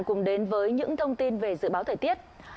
cùng đến với những thông tin về dự báo thời tiết